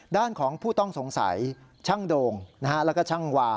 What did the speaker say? ด้านของผู้ต้องสงสัยช่างโด่งแล้วก็ช่างวา